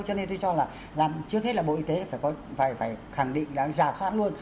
cho nên tôi cho là làm trước hết là bộ y tế phải khẳng định giả soát luôn